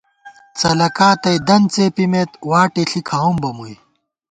څلَکا تئ دن څېپِمېت، واٹےݪی کھاوُم بہ مُوئی